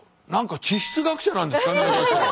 何か地質学者なんですかね。